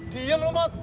diam lu mau